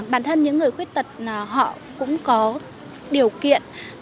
bản thân những người khuyết tật họ cũng có điều kiện